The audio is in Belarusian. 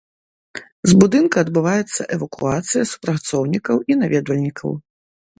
З будынка адбываецца эвакуацыя супрацоўнікаў і наведвальнікаў.